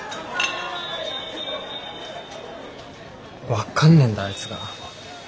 分かんねえんだあいつが。